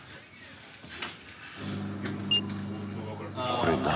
これ何？